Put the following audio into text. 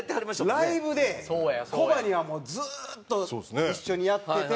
ライブでコバにはもうずーっと一緒にやってて。